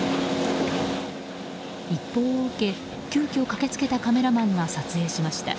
一報を受け、急きょ駆け付けたカメラマンが撮影しました。